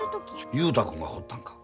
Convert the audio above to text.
雄太君が放ったんか？